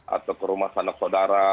atau ke rumah sanak saudara